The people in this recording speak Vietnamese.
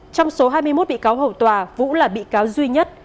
trong số hai mươi một bị cáo hậu tòa vũ là bị cáo duy nhất